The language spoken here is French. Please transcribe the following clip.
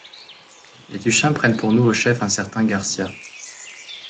Les Tuchins prennent pour nouveau chef un certain Garcia.